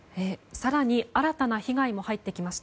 更に新たな被害も入ってきました。